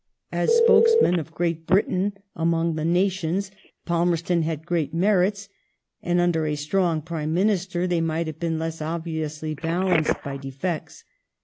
As spokesman of Great Britain among the nations Palmerston had great merits, and under a strong Prime Minister they might have been less obviously balanced by defects.